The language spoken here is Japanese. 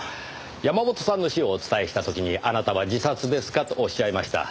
山本さんの死をお伝えした時にあなたは自殺ですか？とおっしゃいました。